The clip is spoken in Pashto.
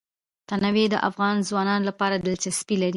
تنوع د افغان ځوانانو لپاره دلچسپي لري.